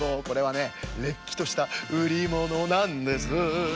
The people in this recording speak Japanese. これはねれっきとしたうりものなんです。